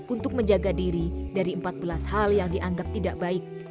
untuk menjaga diri dari empat belas hal yang dianggap tidak baik